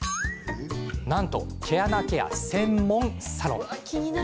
なんと、毛穴ケア専門サロン。